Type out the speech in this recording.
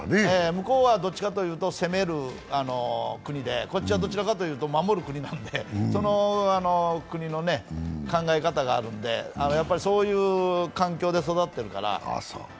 向こうはどちらかという攻める国でこっちはどちらかというと守る国なので、その国の考え方があるんでそういう環境で育ってるから。